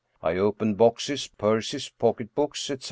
I opened boxes, purses, pocketbooks, etc.